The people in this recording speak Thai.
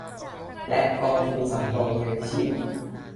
และกองทุนสำรองเลี้ยงชีพ